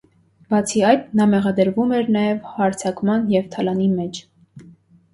Բացի այդ, նա մեղադրվում էր նաև հարձակման և թալանի մեջ։